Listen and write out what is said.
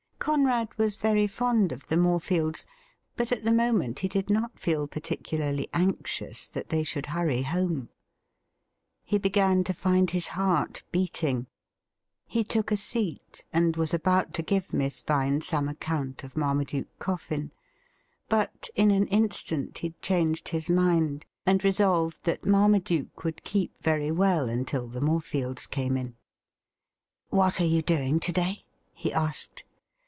Conrad was very fond of the Morefields, but at the' moment he did not feel particularly anxious that they should hurry home. He began to find his heart beating. He took a seat, and was about to give Miss Vine some account of Marmaduke Coffin. But in an instant he changed his mind, and resolved that Marmaduke would, keep very well until the Morefields came in. ' What are you doing to day ?' he asked.